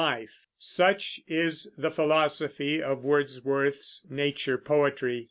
Such is the philosophy of Wordsworth's nature poetry.